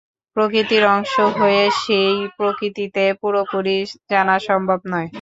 প্রকৃতির অংশ হয়ে সেই প্রকৃতিকে পুরোপুরি জানা সম্ভব নয়।